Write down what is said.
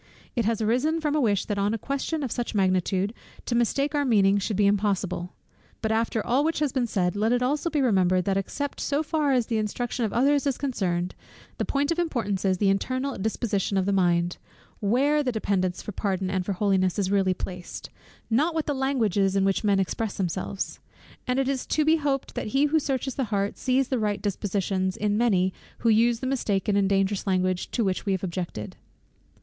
It has arisen from a wish that on a question of such magnitude, to mistake our meaning should be impossible. But after all which has been said, let it also be remembered, that except so far as the instruction of others is concerned, the point of importance is, the internal disposition of the mind; where the dependence for pardon, and for holiness, is really placed; not what the language is, in which men express themselves. And it is to be hoped that he who searches the heart, sees the right dispositions in many who use the mistaken and dangerous language to which we have objected.